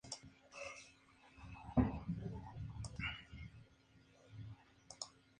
No había tenido hijos.